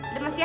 udah mas ya